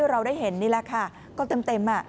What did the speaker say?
เราได้เห็นนี่แหละค่ะก็เต็ม